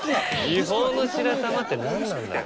違法の白玉って何なんだよ。